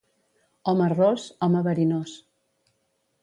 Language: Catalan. Home ros, home verinós.